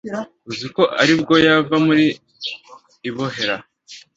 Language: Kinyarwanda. uziko aribwo yava muri ibohera